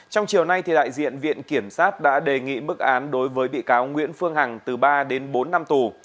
trong chiều nay đại diện viện kiểm sát đã đề nghị bức án đối với bị cáo nguyễn phương hằng từ ba đến bốn năm tù